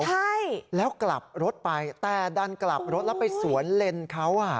ใช่แล้วกลับรถไปแต่ดันกลับรถแล้วไปสวนเลนเขาอ่ะ